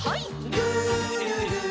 「るるる」